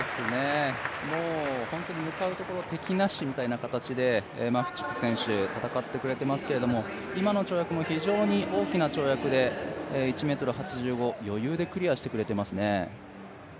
もう本当に向かうところ敵なしみたいな形でマフチク選手、戦ってくれていますけれども、今の跳躍も非常に大きな跳躍で１ｍ８５、余裕でクリアしてくれていますね。